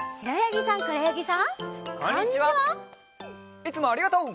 いつもありがとう！